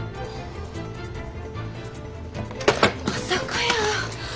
まさかやー。